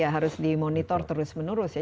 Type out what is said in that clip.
ya harus di monitor terus menerus ya